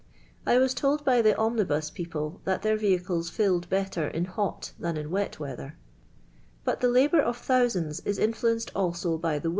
1 was told by thf i»iinil):i"j pi'')])le that their vehicles tilled belter in li'i: t .an in wot weather. But til" labour of thousands is influenced also by til.